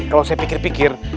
kalau saya pikir pikir